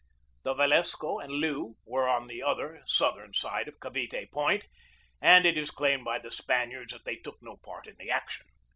The Velasco and Lew were on the other (southern) side of Cavite Point, and it is claimed by the Span iards that they took no part in the action.